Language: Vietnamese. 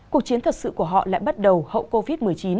cuộc chiến thật sự của họ lại bắt đầu hậu covid một mươi chín